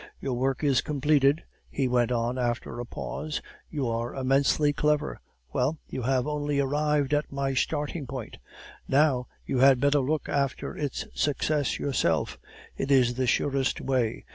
Your work is completed' he went on after a pause; 'you are immensely clever! Well, you have only arrived at my starting point. Now, you had better look after its success yourself; it is the surest way.